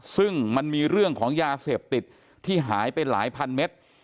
ซึ่งมันมีเรื่องของยาเสพติดที่หายไปหลายพันเมตร